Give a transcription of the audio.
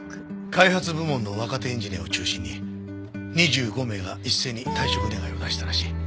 開発部門の若手エンジニアを中心に２５名が一斉に退職願を出したらしい。